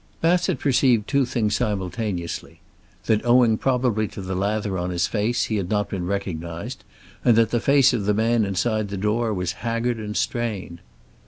Bassett perceived two things simultaneously; that owing probably to the lather on his face he had not been recognized, and that the face of the man inside the door was haggard and strained.